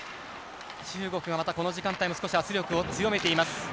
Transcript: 中国がこの時間帯、圧力を強めています。